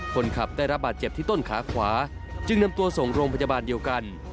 คนขับได้รับบาดเจ็บที่ต้นขาขวาจึงนำตัวส่งโรงพยาบาลเดียวกัน